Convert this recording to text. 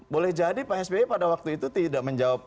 boleh jadi pak sby pada waktu itu tidak menjawab